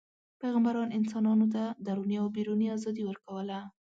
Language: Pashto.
پیغمبران انسانانو ته دروني او بیروني ازادي ورکوله.